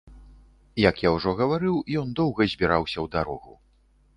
Як я ўжо гаварыў, ён доўга збіраўся ў дарогу.